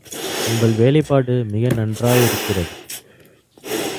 உங்கள் வேலைப்பாடு மிக நன்றாயிருக்கிறது.